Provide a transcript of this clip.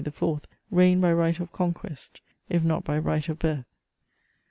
, reigned by right of conquest, if not by right of birth.